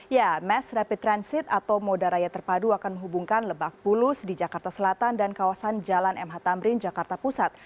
ya mass rapid transit atau moda raya terpadu akan menghubungkan lebak bulus di jakarta selatan dan kawasan jalan mh tamrin jakarta pusat